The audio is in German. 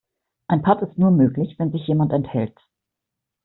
Ein Patt ist nur möglich, wenn sich jemand enthält.